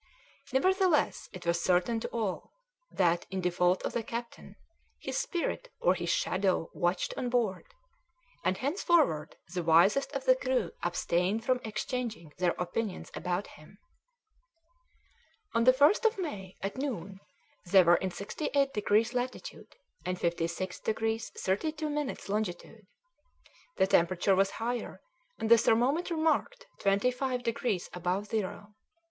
Nevertheless it was certain to all that, in default of the captain, his spirit or his shadow watched on board; and henceforward the wisest of the crew abstained from exchanging their opinions about him. On the 1st of May, at noon, they were in 68 degrees latitude and 56 degrees 32 minutes longitude. The temperature was higher and the thermometer marked twenty five degrees above zero.